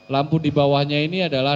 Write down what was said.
lampu di bawahnya ini adalah